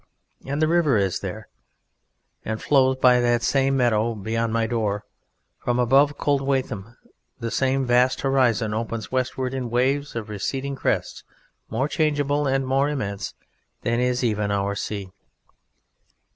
And the river is there, and flows by that same meadow beyond my door; from above Coldwatham the same vast horizon opens westward in waves of receding crests more changeable and more immense than is even our sea.